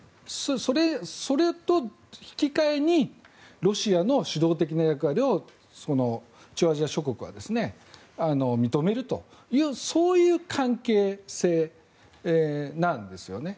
それと引き換えにロシアの主導的な役割を中央アジア諸国が認めるという関係性なんですよね。